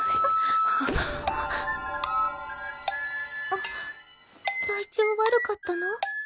あっ体調悪かったの？